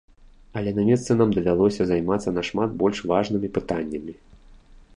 Але на месцы нам давялося займацца нашмат больш важнымі пытаннямі.